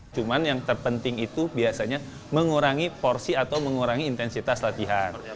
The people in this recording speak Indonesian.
cuman yang terpenting itu biasanya mengurangi porsi atau mengurangi intensitas latihan